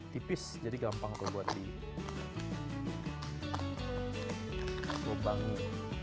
tipis jadi gampang tuh buat di lubangin